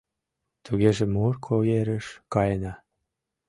— Тугеже Морко ерыш каена.